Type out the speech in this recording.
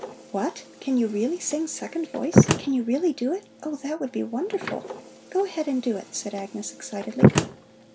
"What? Can you really sing second voice? Can you really do it? Oh, that would be wonderful! Go ahead and do it!" said Agnes excitedly.